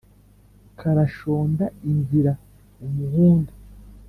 Karashonda inzira-Umuhunda.